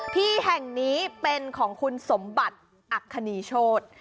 ที่แห่งนี้เป็นของคุณสมบัติอักคณีโชธ